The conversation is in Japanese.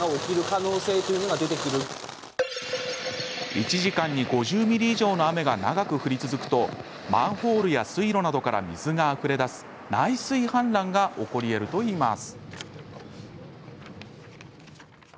１時間に５０ミリ以上の雨が長く降り続くとマンホールや水路などから水があふれ出す内水氾濫が起こりえるといいます。